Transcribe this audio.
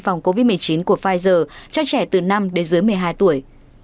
phòng covid một mươi chín của pfizer cho trẻ từ năm đến dưới một mươi hai tuổi